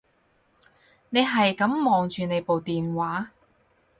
你係噉望住你部電話